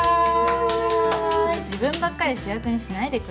自分ばっかり主役にしないでくれる？